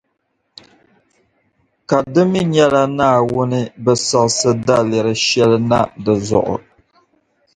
Ka di mi nyɛla Naawuni bi siɣisi daliri shεli na di zuɣu.